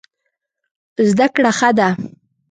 زده کړه ښه ده.